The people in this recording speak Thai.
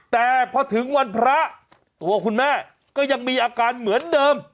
แต่พอถึงวันพระตัวคุณแม่ก็ยังมีอาการเหมือนเดิม